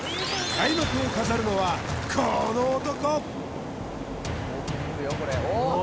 開幕を飾るのはこの男！